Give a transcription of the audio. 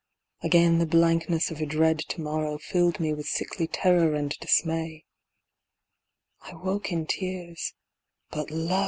Again the blankness of a dread to morrow Filled me with sickly terror and dismay. I woke in tears; but lo!